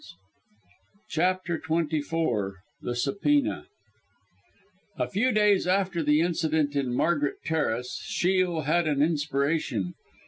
] CHAPTER XXIV THE SUBPOENA A few days after the incident in Margaret Terrace, Shiel had an inspiration.